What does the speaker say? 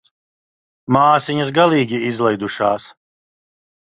Māsiņas galīgi izlaidušās.